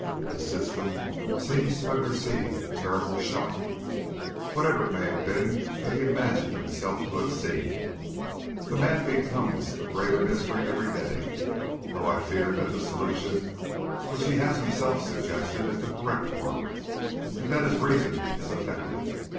His system seems to have received a terrible shock, whatever it may have been that he imagined himself to have seen. The man becomes a greater mystery every day, though I fear that the solution which he has himself suggested is the correct one, and that his reason is affected.